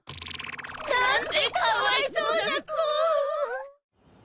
何てかわいそうな子！